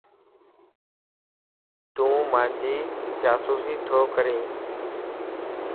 تون مانجي جاسوسي تو ڪرين؟